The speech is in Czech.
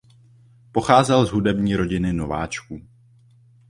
Pocházel z hudební rodiny Nováčků.